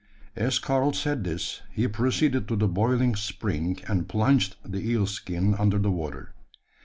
As Karl said this, he proceeded to the boiling spring, and plunged the eel skin under the water.